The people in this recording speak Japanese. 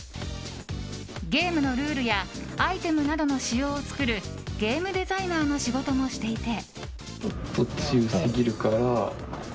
ゲームのルールやアイテムなどの仕様を作るゲームデザイナーの仕事もしていて。